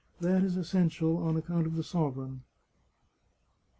That is essential on account of the sovereign."